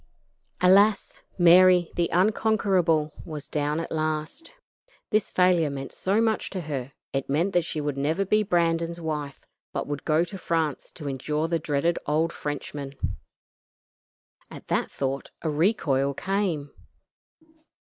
Alas! Mary, the unconquerable, was down at last. This failure meant so much to her; it meant that she would never be Brandon's wife, but would go to France to endure the dreaded old Frenchman. At that thought a recoil came.